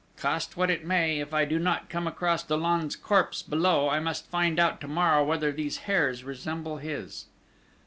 "Cost what it may, if I do not come across Dollon's corpse below, I must find out to morrow whether these hairs resemble his."